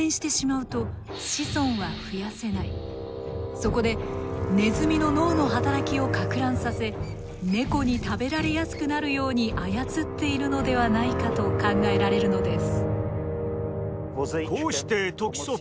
そこでネズミの脳の働きをかく乱させネコに食べられやすくなるように操っているのではないかと考えられるのです。